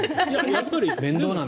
やっぱり。